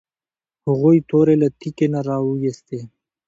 هغوی تورې له تیکي نه راویوستې.